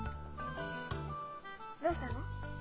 どうしたの？